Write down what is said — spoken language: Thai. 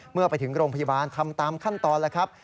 เมื่อไปถึงโรงพยาบาลทำตามขั้นตอนแล้วครับ